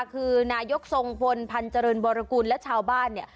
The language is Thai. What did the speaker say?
คือนายกทรงพลพันธ์เจริญวรกุลและชาวบ้านเนี่ย